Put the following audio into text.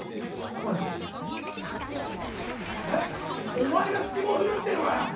お前が指揮棒振るってのかよ！